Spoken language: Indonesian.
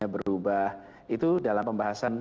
berubah itu dalam pembahasan